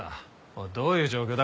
おいどういう状況だ？